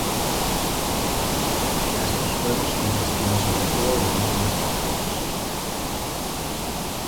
Estos juegos consistían sobre todo de enigmas lógicos.